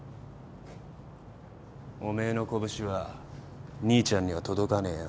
おめえの拳は兄ちゃんには届かねえよ。